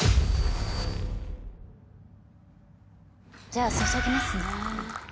じゃあ注ぎますね。